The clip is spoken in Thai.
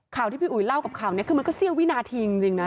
ที่พี่อุ๋ยเล่ากับข่าวนี้คือมันก็เสี้ยววินาทีจริงนะ